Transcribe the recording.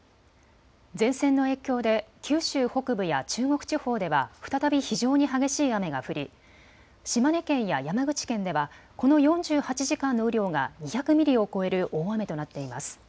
前線の影響で九州北部や中国地方では再び非常に激しい雨が降り島根県や山口県ではこの４８時間の雨量が２００ミリを超える大雨となっています。